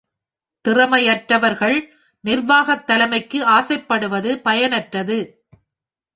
திறமையற்றவர்கள், நிர்வாகத் தலைமைக்கு ஆசைப்படுவது பயனற்றது.